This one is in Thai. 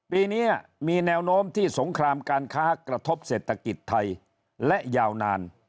ปีนี้มีแนวโน้มที่สงครามการค้ากระทบเศรษฐกิจไทยและยาวนาน